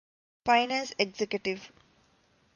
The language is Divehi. ފައިނޭންސް އެގްޒެކެޓިވް